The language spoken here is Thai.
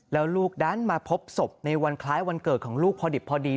แล้วลูกดันมาพบศพในวันคล้ายวันเกิดของลูกพอดิบพอดี